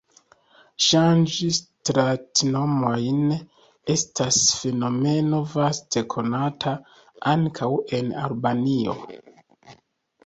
Ŝanĝi stratnomojn estas fenomeno vaste konata, ankaŭ en Albanio.